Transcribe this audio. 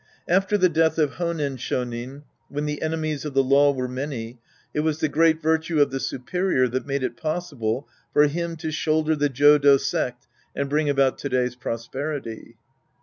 After the death of Honen Shonin, when the enemies of the law were many, it was the great virtue of the superior that made it possible for him to shoulder the Jodo sect and bring about to day's prosperity.